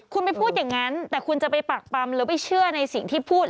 คุณไปพูดอย่างนั้นแต่คุณจะไปปากปำหรือไปเชื่อในสิ่งที่พูด